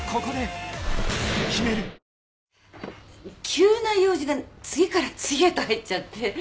急な用事が次から次へと入っちゃって。